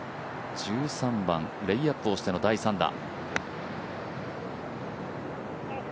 １３番、レイアップをしての第３打。